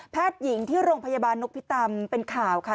แพทยิงที่โรงพยาบาลโน๊คพิตัมเป็นข่าวค่ะ